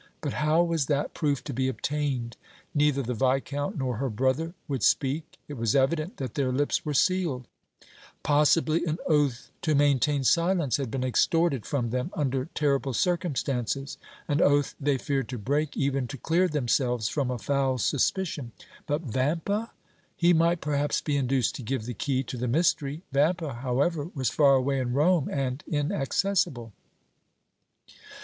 But how was that proof to be obtained? Neither the Viscount nor her brother would speak; it was evident that their lips were sealed; possibly an oath to maintain silence had been extorted from them under terrible circumstances an oath they feared to break even to clear themselves from a foul suspicion. But Vampa? He might, perhaps, be induced to give the key to the mystery. Vampa, however, was far away in Rome and inaccessible.